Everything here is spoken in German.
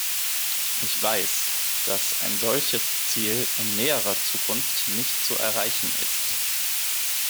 Ich weiß, dass ein solches Ziel in näherer Zukunft nicht zu erreichen ist.